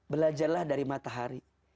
belajarlah dari matahari